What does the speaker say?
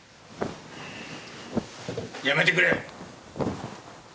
やめてくれ！